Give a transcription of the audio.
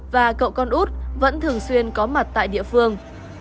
và cậu con út vẫn thường xuyên có mặt tại địa phương